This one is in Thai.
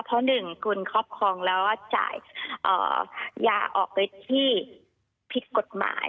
เพราะ๑คุณครอบครองแล้วจ่ายยาออกไปที่ผิดกฎหมาย